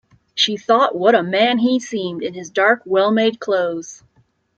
She thought what a man he seemed, in his dark, well-made clothes.